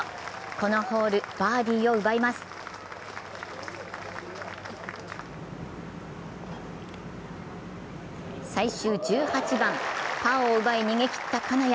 このホール、バーディーを奪います最終１８番、パーを奪い逃げ切った金谷。